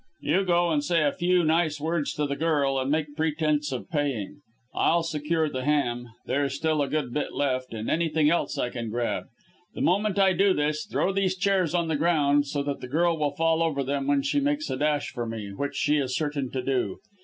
You go and say a few nice words to the girl and make pretence of paying. I'll secure the ham there's still a good bit left and anything else I can grab. The moment I do this, throw these chairs on the ground so that the girl will fall over them when she makes a dash for me, which she is certain to do.